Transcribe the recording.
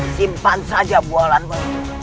simpan saja bualanmu